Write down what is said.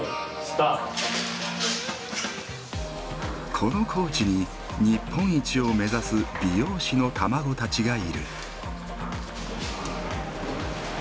この高知に日本一を目指す美容師の卵たちがいる。